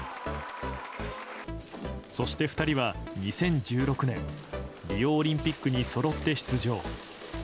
そして２人は２０１６年リオオリンピックにそろって出場。